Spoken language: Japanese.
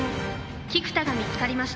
菊田が見つかりました。